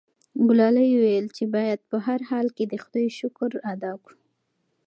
ګلالۍ وویل چې باید په هر حال کې د خدای شکر ادا کړو.